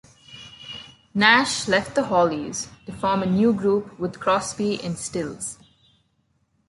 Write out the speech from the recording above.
Nash left the Hollies to form a new group with Crosby and Stills.